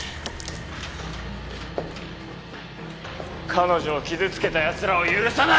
彼女を傷つけた奴らを許さない！！